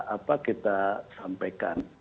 apa kita sampaikan